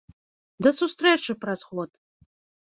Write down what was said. Да сустрэчы праз год!